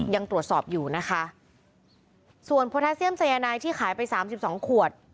ยังตรวจสอบอยู่นะคะส่วนโพแทเซียมสัยนายที่ขายไปสามสิบสองขวด